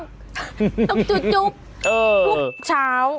ต้มจุ๊บทุกเช้า